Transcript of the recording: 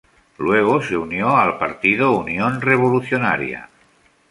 Luego se unió al partido Unión Revolucionaria.